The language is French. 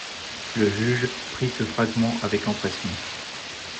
Le juge prit ce fragment avec empressement.